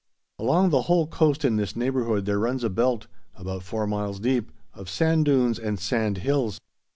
Along the whole coast in this neighbourhood there runs a belt, about four miles deep, of sand dunes and sand hills.